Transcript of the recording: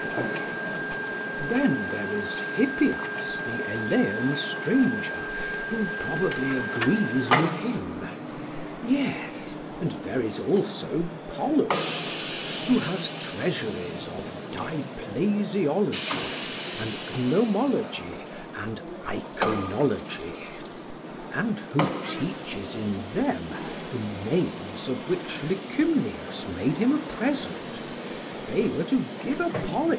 SOCRATES: Then there is Hippias the Elean stranger, who probably agrees with him. PHAEDRUS: Yes. SOCRATES: And there is also Polus, who has treasuries of diplasiology, and gnomology, and eikonology, and who teaches in them the names of which Licymnius made him a present; they were to give a polish.